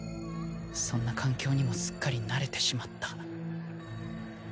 そんな環境にもすっかり慣れてしまった。